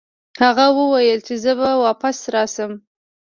هغه وویل چې زه به واپس راشم.